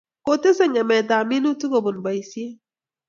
Kotesei ngemetab minutik kobun boisiet